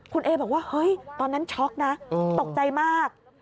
คุณเอบอกว่าเฮ้ยตอนนั้นช็อกนะตกใจมาก